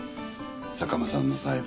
坂間さんの裁判。